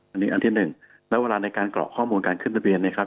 อันที่๑แล้วเวลาในการกรอกข้อมูลการขึ้นทะเบียนเนี่ยครับ